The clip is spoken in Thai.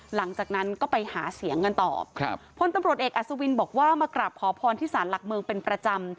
หลังจากนั้นก็ไปหาเสียงกันต่อครับพลตำรวจเอกอัศวินบอกว่ามากราบขอพรที่สารหลักเมืองเป็นประจำ